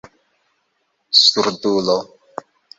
surdulo